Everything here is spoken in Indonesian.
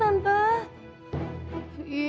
tante apa yang terjadi